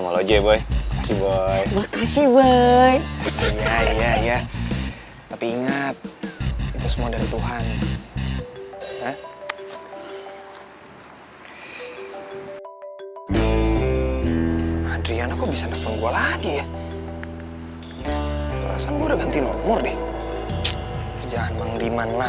lima menit lagi selesai cepat